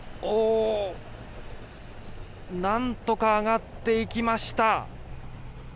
何とか上がっていきました。